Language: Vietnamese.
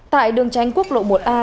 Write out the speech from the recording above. tại đường tranh quốc lộ một a